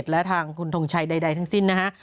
และทางคุณทงชัยใดทั้งสิ้นนะฮะ